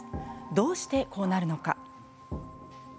どうして、こうなるのか。